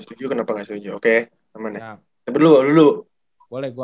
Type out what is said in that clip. setuju atau gak setuju